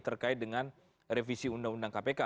terkait dengan revisi undang undang kpk